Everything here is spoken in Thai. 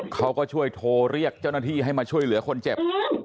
เขาก็ช่วยโทรเรียกเจ้าหน้าที่ให้มาช่วยเหลือคนเจ็บ